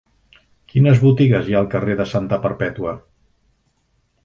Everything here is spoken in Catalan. Quines botigues hi ha al carrer de Santa Perpètua?